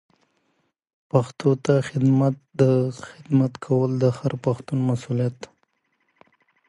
پښتو ته خدمت کول د هر پښتون مسولیت دی.